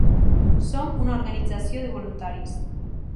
Som una organització de voluntaris.